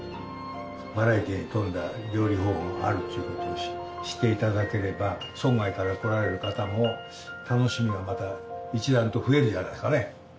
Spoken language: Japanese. バラエティーに富んだ料理方法があるっちゅう事を知って頂ければ村外から来られる方も楽しみがまた一段と増えるんじゃないですかね。